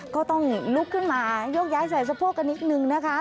ก็ต้องลุกขึ้นมาโยกย้ายใส่สะโพกกันนิดนึงนะคะ